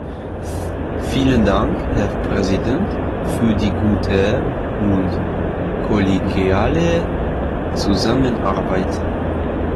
Vielen Dank, Herr Präsident, für die gute und kollegiale Zusammenarbeit.